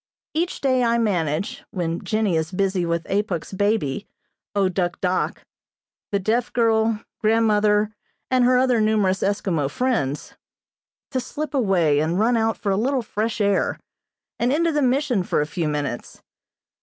Each day I manage, when Jennie is busy with Apuk's baby, O Duk Dok, the deaf girl, grandmother, and her other numerous Eskimo friends, to slip away and run out for a little fresh air, and into the Mission for a few minutes.